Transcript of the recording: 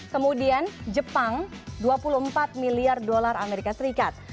kemudian jepang dua puluh empat miliar dolar amerika serikat